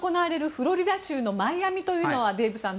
フロリダ州のマイアミというのはデーブさん